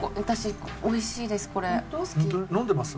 飲んでます？